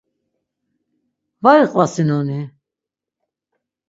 Var iqvasinoni?